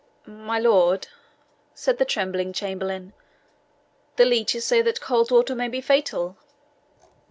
"My lord," said the trembling chamberlain, "the leeches say that cold water may be fatal."